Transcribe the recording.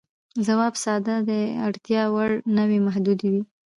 ځواب ساده دی، اړتیا وړ نوعې محدودې وې.